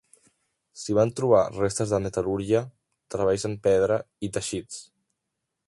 S’hi van trobar restes de metal·lúrgia, treballs en pedra i teixits.